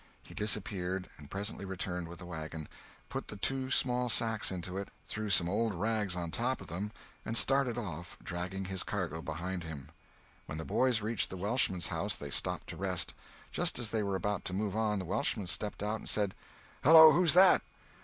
He disappeared, and presently returned with the wagon, put the two small sacks into it, threw some old rags on top of them, and started off, dragging his cargo behind him. When the boys reached the Welshman's house, they stopped to rest. Just as they were about to move on, the Welshman stepped out and said: "Hallo, who's that?"